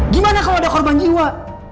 gimana kalau ada korban jiwa